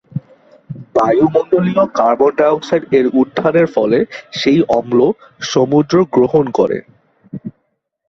বায়ুমণ্ডলীয় carbon dioxide এর উত্থানের ফলে সেই অম্ল সমুদ্র গ্রহণ করে।